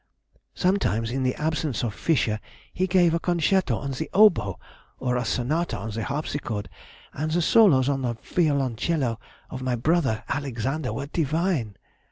Sometimes, in the absence of Fisher, he gave a concerto on the oboe, or a sonata on the harpsichord; and the solos on the violoncello of my brother Alexander were divine!...